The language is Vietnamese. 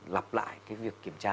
lặp lại cái việc kiểm tra